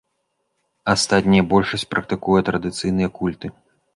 Астатняя большасць практыкуе традыцыйныя культы.